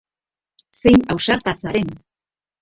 Zein ausarta zaren!